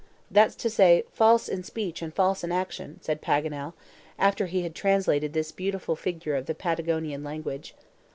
"That's to say false in speech and false in action," said Paganel, after he had translated this beautiful figure of the Patagonian language.